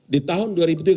di tahun dua ribu tiga belas